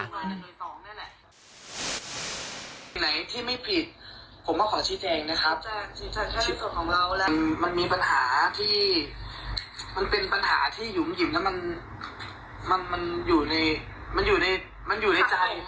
ไหนที่ไม่ผิดผมก็ขอชี้แจงนะครับมันมีปัญหาที่มันเป็นปัญหาที่หยุมหิมแล้วมันมันอยู่ในมันอยู่ในมันอยู่ในใจ